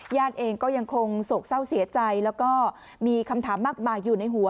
เองก็ยังคงโศกเศร้าเสียใจแล้วก็มีคำถามมากมายอยู่ในหัว